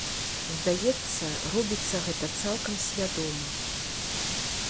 Здаецца, робіцца гэта цалкам свядома.